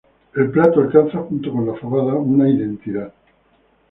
El plato alcanza, junto con la fabada una identidad.